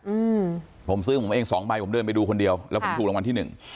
อืมผมซื้อผมเองสองใบผมเดินไปดูคนเดียวแล้วผมถูกรางวัลที่หนึ่ง